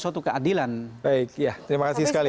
suatu keadilan baik ya terima kasih sekali